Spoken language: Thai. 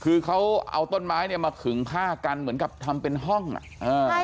คือเขาเอาต้นไม้เนี่ยมาขึงผ้ากันเหมือนกับทำเป็นห้องอ่ะอ่า